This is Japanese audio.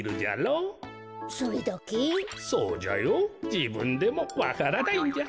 じぶんでもわからないんじゃ。